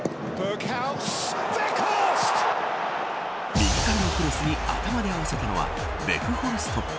右からのクロスに頭で合わせたのはヴェフホルスト。